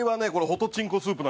「ホトチンコスープ」。